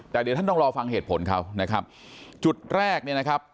แต่เดี๋ยวท่านต้องรอฟังเหตุผลเขานะครับจุดแรกเนี่ยนะครับ